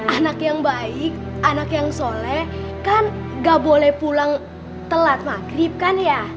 anak yang baik anak yang soleh kan gak boleh pulang telat maghrib kan ya